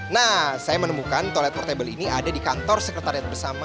nah saya menemukan toilet portable ini ada di kantor sekretariat bersama